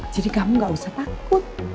jadi kamu gak usah takut